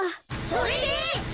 それで！？